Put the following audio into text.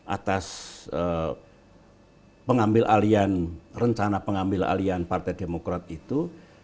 atas rencana pengambil alihan partai demokrat itu